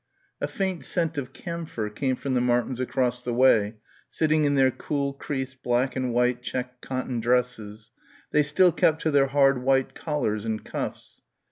A faint scent of camphor came from the Martins across the way, sitting in their cool creased black and white check cotton dresses. They still kept to their hard white collars and cuffs.